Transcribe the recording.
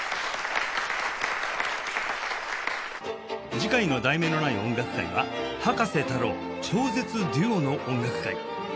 次回の『題名のない音楽会』は「葉加瀬太郎“超絶デュオ”の音楽会」